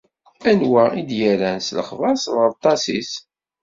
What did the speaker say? Anwa i d-irran s lexber s lɣelṭat-is?